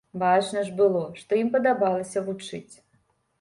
Бачна ж было, што ім падабалася вучыць.